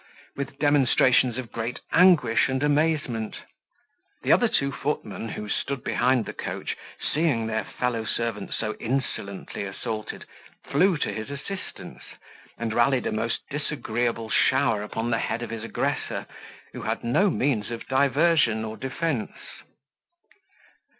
with demonstrations of great anguish and amazement. The other two footmen who stood behind the coach, seeing their fellow servant so insolently assaulted, flew to his assistance, and rallied a most disagreeable shower upon the head of his aggressor, who had no means of diversion or defence.